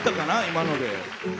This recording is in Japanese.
今ので。